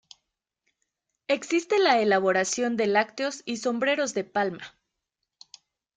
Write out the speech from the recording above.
Existe la elaboración de lácteos y sombreros de palma.